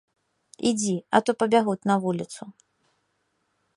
Ідзі, а то пабягуць на вуліцу.